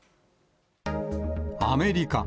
アメリカ。